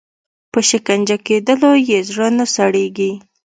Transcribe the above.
په شکنجه کېدلو یې زړه نه سړیږي.